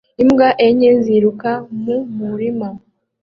Imbwa enye ziruka mu murima